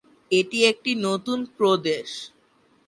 এটি একটি নতুন প্রদেশ।